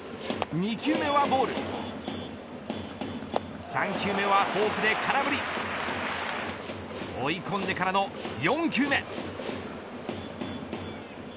２球目はボール３球目はフォークで空振り追い込んでからの４球目。